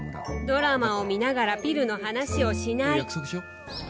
ドラマを見ながらピルの話をしない。